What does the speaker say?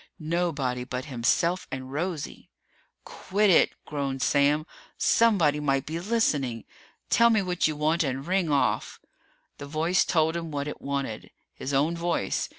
Nobody but himself and Rosie. "Quit it!" groaned Sam. "Somebody might be listening! Tell me what you want and ring off!" The voice told him what it wanted. His own voice.